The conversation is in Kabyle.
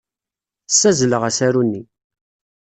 Ssazzleɣ asaru-nni.